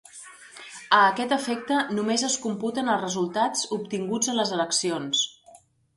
A aquest efecte només es computen els resultats obtinguts en les eleccions.